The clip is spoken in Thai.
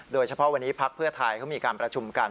โดยเฉพาะวันนี้พักเพื่อไทยเขามีการประชุมกัน